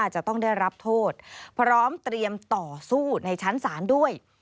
จะต้องได้รับโทษพร้อมเตรียมต่อสู้ในชั้นศาลด้วย